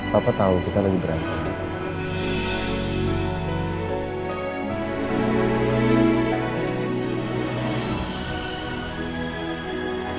papa tahu kita lagi berantem